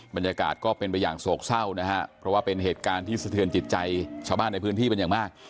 บรรยากาศก็เป็นไปอย่างโศกเศร้านะฮะเพราะว่าเป็นเหตุการณ์ที่สะเทือนจิตใจชาวบ้านในพื้นที่เป็นอย่างมาก